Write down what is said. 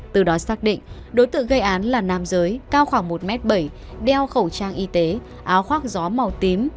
từ đó xác định đối tượng gây án là nam giới cao khoảng một m bảy đeo khẩu trang y tế áo khoác gió màu tím